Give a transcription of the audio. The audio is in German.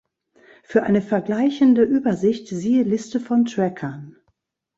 Für eine vergleichende Übersicht siehe Liste von Trackern.